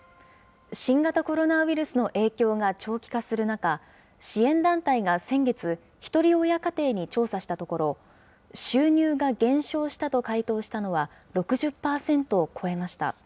新型コロナウイルスの影響が長期化する中、支援団体が先月、ひとり親家庭に調査したところ、収入が減少したと回答したのは６０％を超えました。